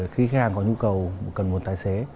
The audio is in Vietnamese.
khi khách hàng có nhu cầu cần nguồn tài xế